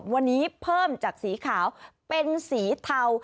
วันนี้เพิ่มจากสีขาวเป็นสีเทา